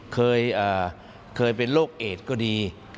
เคยเป็นโรคเอดก็ดี